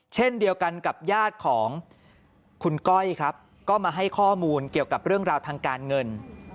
เช่นเดียวกันกับญาติของคุณก้อยครับก็มาให้ข้อมูลเกี่ยวกับเรื่องราวทางการเงิน